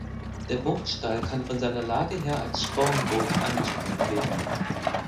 Der Burgstall kann von seiner Lage her als Spornburg angesprochen werden.